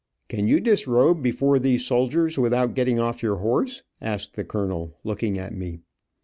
"Can you disrobe, before these soldiers, without getting off your horse?" asked the colonel, looking at me.